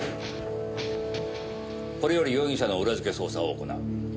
これより容疑者の裏づけ捜査を行う。